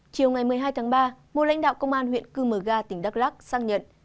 chiều ngày một mươi hai tháng ba một lãnh đạo công an huyện cư mờ ga tỉnh đắk lắc xác nhận